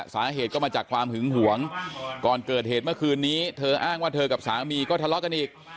สาเหตุก็มาจากความหึงหวงก่อนเกิดเหตุเมื่อคืนนี้เธออ้างว่าเธอกับสามีก็ทะเลาะกันอีก